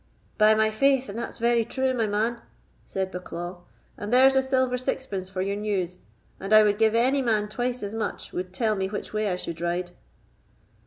"By my faith, and that's very true, my man" said Bucklaw; "and there's a silver sixpence for your news, and I would give any man twice as much would tell me which way I should ride."